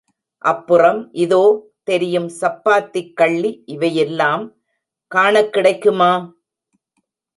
அப்புறம் இதோ, தெரியும் சப்பாத்திக் கள்ளி இவையெல்லாம் காணக்கிடைக்குமா?